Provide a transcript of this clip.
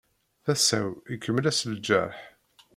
Tasa-w ikemmel-as lǧerḥ.